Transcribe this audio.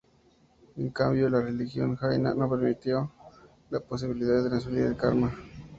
En cambio, la religión jaina no permitió la posibilidad de transferir el karma.